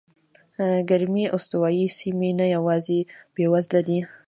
ګرمې استوایي سیمې نه یوازې بېوزله دي.